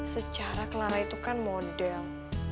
secara kelara itu kan model